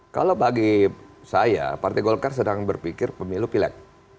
kalau bagi saya partai golkar sedang berpikir pemilu pileg